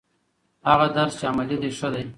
هغه درس چې عملي دی ښه دی.